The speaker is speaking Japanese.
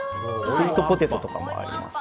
スイートポテトとかもあります。